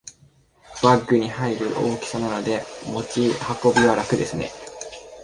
バッグに入る大きさなので持ち運びは楽ですね